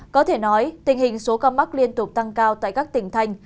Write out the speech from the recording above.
có thể nói tình hình số ca mắc liên tục tăng cao tại các tỉnh thành